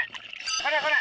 ほらほら。